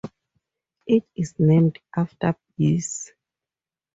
It is named after bees.